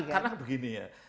karena begini ya